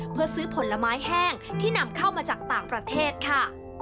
เพื่อซื้อผลไม้แห้งที่นำเข้ามาจากต่างประเทศค่ะ